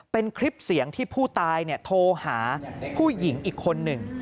เป็นคลิปเสียงที่ผู้ตายโทรหาผู้หญิงอีกคนหนึ่ง